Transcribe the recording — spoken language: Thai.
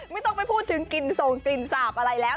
ไม่ต้องไปพูดถึงกลิ่นส่งกลิ่นสาบอะไรแล้ว